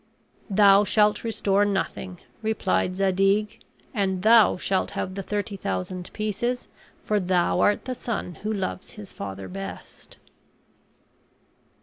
"Thou shalt restore nothing," replied Zadig, "and thou shalt have the thirty thousand pieces, for thou art the son who loves his father best."